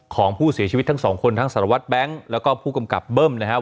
ของผู้เสียชีวิตทั้งสองคนทั้งสารวัตรแบงค์แล้วก็ผู้กำกับเบิ้มนะครับ